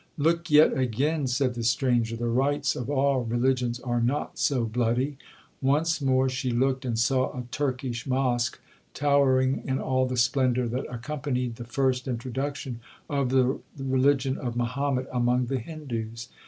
'Look yet again,' said the stranger, 'the rites of all religions are not so bloody.' Once more she looked, and saw a Turkish mosque, towering in all the splendour that accompanied the first introduction of the religion of Mahomet among the Hindoos.